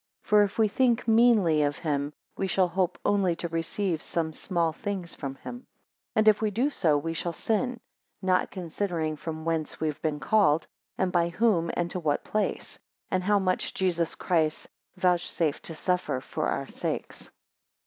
2 For if we think meanly of him, we shall hope only to receive some small things from him. 3 And if we do so, we shall sin; not considering from whence we have been called, and by whom, and to what place; and how much Jesus Christ vouchsafed to suffer for our sakes.